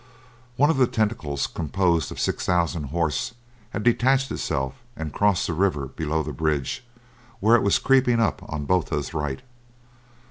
One of the tentacles composed of six thousand horse had detached itself and crossed the river below the bridge, where it was creeping up on Botha's right.